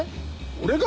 俺が？